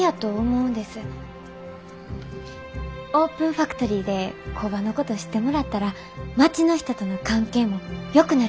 オープンファクトリーで工場のこと知ってもらったら町の人との関係もよくなるんちゃうかなって。